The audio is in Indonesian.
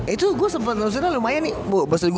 itu gue sempet maksudnya lumayan nih